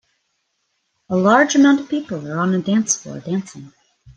A large amount of people are on a dance floor dancing.